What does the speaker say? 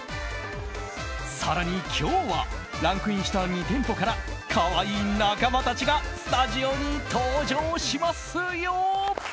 更に、今日はランクインした２店舗から可愛い仲間たちがスタジオに登場しますよ。